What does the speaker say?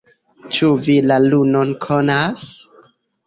Ĉu vi la lunon konas?